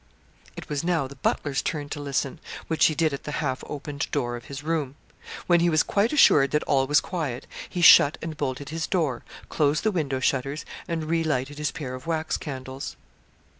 It was now the butler's turn to listen, which he did at the half opened door of his room. When he was quite assured that all was quiet, he shut and bolted his door, closed the window shutters, and relighted his pair of wax candles.